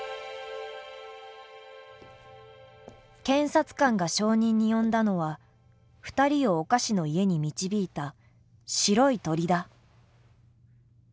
検察官が証人に呼んだのは２人をお菓子の家に導いた白い鳥だ。